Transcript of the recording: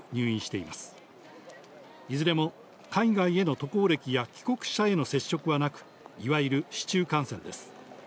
いずれも海外への渡航歴や帰国者への接触はなくいわゆる市中感染です。